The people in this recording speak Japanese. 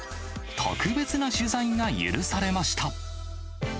特別な取材が許されました。